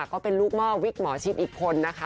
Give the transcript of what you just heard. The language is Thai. ก็เป็นลูกหม้อวิกหมอชิดอีกคนนะคะ